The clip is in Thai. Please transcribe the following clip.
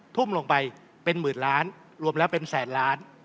ทุ่มลงไปเป็นหมื่นล้านรวมแล้วเป็นแสนล้าน